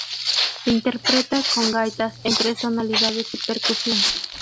Se interpreta con gaitas en tres tonalidades y percusión.